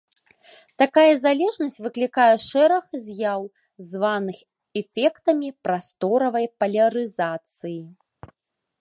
Такая залежнасць выклікае шэраг з'яў, званых эфектамі прасторавай палярызацыі.